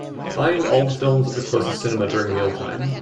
Find all the films at the closestcinema during meal time.